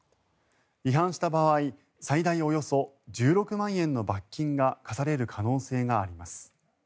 違反した場合最大およそ１６万円の罰金が科される可能性があります。